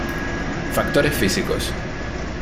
Factores físicos.